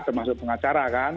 termasuk pengacara kan